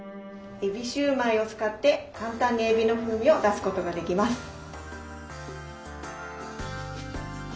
えびシューマイを使って簡単にえびの風味を出すことができます。